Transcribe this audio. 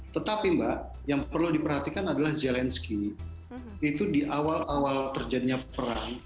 tetapi mbak yang perlu diperhatikan adalah zelensky itu di awal awal terjadinya perang